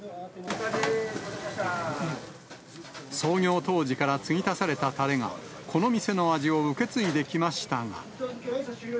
創業当時から継ぎ足されたたれが、この店の味を受け継いできましたが。